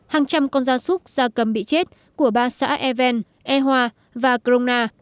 hàng trăm con da súc da cầm bị chết của ba xã e ven e hoa và crona